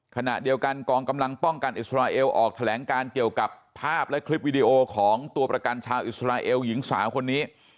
ขณะเดียวกันกองกำลังป้องกันอิสราเอลออกแถลงการเกี่ยวกับภาพและคลิปวิดีโอของตัวประกันชาวอิสราเอลหญิงสาวคนนี้